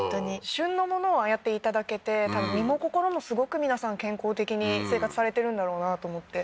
旬のものをああやっていただけて、たぶん身も心も、すごく皆さん健康的に生活されてるんだろうなと思って。